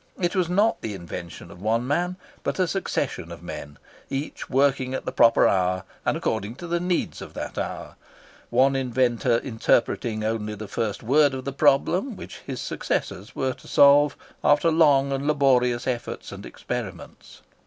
It was not the invention of one man, but of a succession of men, each working at the proper hour, and according to the needs of that hour; one inventor interpreting only the first word of the problem which his successors were to solve after long and laborious efforts and experiments.